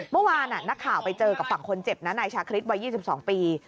เมื่อวานนักข่าวไปเจอกับฝั่งคนเจ็บนะนายชาคริสวัย๒๒ปี